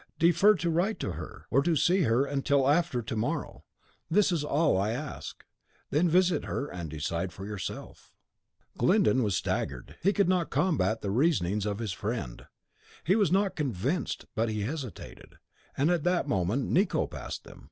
Defer to write to her, or to see her, till after to morrow. This is all I ask. Then visit her, and decide for yourself." Glyndon was staggered. He could not combat the reasonings of his friend; he was not convinced, but he hesitated; and at that moment Nicot passed them.